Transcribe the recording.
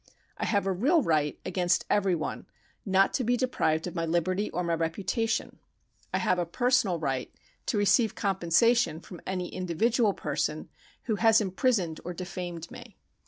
I have a real right against every one not to be deprived of my liberty or my reputation ; I have a personal right to receive com pensation from any individual person who has imprisoned or defamed me.